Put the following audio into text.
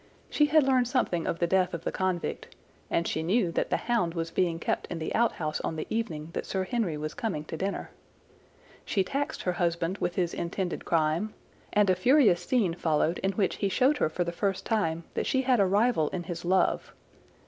She had learned something of the death of the convict, and she knew that the hound was being kept in the outhouse on the evening that Sir Henry was coming to dinner. She taxed her husband with his intended crime, and a furious scene followed in which he showed her for the first time that she had a rival in his love.